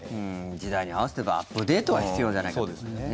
時代に合わせてアップデートが必要じゃないかということですね。